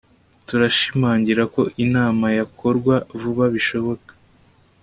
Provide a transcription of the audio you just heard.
Turashimangira ko inama yakorwa vuba bishoboka